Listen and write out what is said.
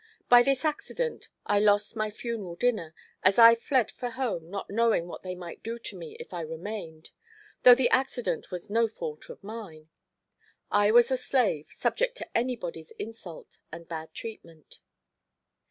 By this accident I lost my funeral dinner, as I fled for home not knowing what they might do to me if I remained—though the accident was no fault of mine; I was a slave, subject to anybody's insult and bad treatment.